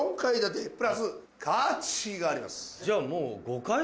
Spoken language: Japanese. じゃあもう。